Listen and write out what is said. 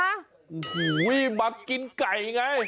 โอ้โหมากินไก่ไง